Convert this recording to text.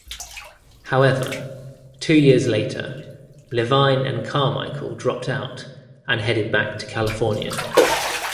However, two years later, Levine and Carmichael dropped out and headed back to California.